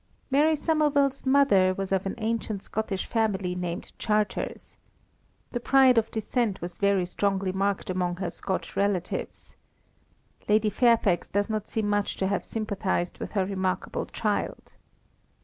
Mary Somerville's mother was of an ancient Scottish family named Charters. The pride of descent was very strongly marked among her Scotch relatives. Lady Fairfax does not seem much to have sympathised with her remarkable child.